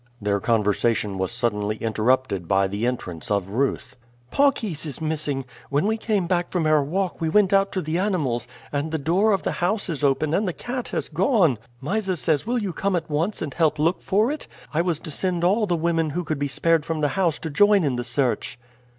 Their conversation was suddenly interrupted by the entrance of Ruth. "Paucis is missing. When we came back from our walk we went out to the animals, and the door of the house is open and the cat has gone. Mysa says will you come at once and help look for it? I was to send all the women who can be spared from the house to join in the search."